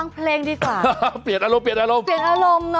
เปลี่ยนอารมณ์